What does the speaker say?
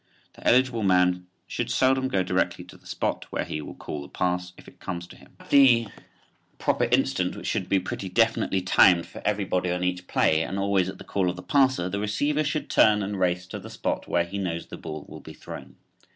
The eligible man should seldom go directly to the spot where he will receive the pass if it comes to him. At the proper instant, which should be pretty definitely timed for everybody on each play, and always at the call of the passer, the receiver should turn and race to the spot where he knows the ball will be thrown.